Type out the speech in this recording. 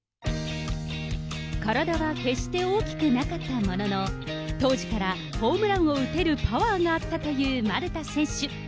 体は決して大きくなかったものの、当時からホームランを打てるパワーがあったという丸田選手。